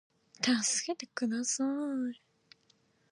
たすけてください